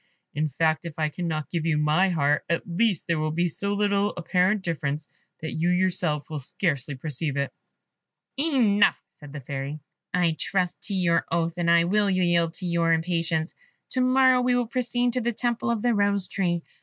In fact, if I cannot give you my heart, at least there will be so little apparent difference, that you yourself will scarcely perceive it." "Enough," said the Fairy; "I trust to your oath, and I will yield to your impatience. To morrow we will proceed to the temple of the Rose tree.